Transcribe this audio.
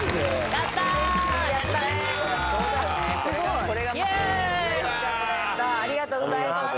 やったありがとうございます。